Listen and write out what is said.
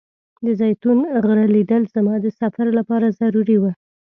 د زیتون غره لیدل زما د سفر لپاره ضروري و.